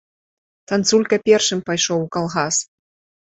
Танцулька першым пайшоў у калгас.